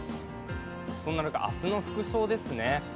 そんな中、明日の服装ですね。